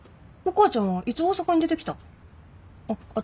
お母ちゃんはいつ大阪に出てきたん？